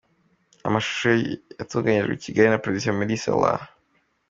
Amashusho yatunganyirijwe i Kigali na Producer Meddy Saleh.